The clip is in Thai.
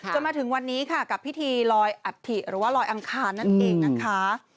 จนถึงวันนี้ค่ะกับพิธีลอยอัฐิหรือว่าลอยอังคารนั่นเองนะคะ